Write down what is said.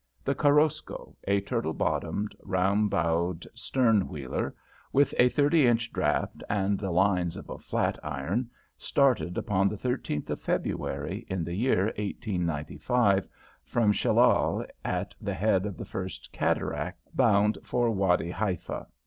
The __Korosko__, a turtle bottomed, round bowed stern wheeler, with a 30 inch draught and the lines of a flat iron, started upon the 13th of February, in the year 1895, from Shellal, at the head of the first cataract, bound for Wady Haifa.